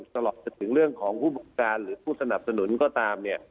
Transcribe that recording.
ตลอดถึงเรื่องของผู้บังการหรือผู้สนับสนุนก็ตามเนี่ย